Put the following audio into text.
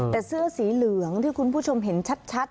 แต่เสื้อสีเหลืองที่คุณผู้ชมเห็นชัด